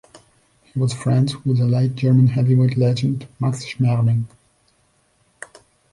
He was friends with the late German heavyweight legend Max Schmeling.